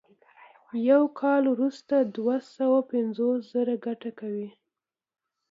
یو کال وروسته دوه سوه پنځوس زره ګټه کوي